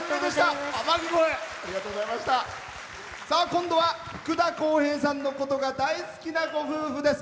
今度は福田こうへいさんのことが大好きなご夫婦です。